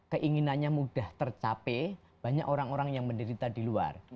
keinginannya mudah tercapai banyak orang orang yang menderita di luar